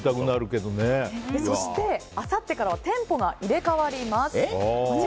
そして、あさってからは店舗が入れ替わります。